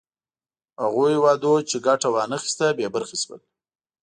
هغو هېوادونو چې ګټه وا نه خیسته بې برخې شول.